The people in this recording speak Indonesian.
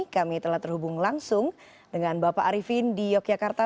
kami telah terhubung langsung dengan bapak arifin di yogyakarta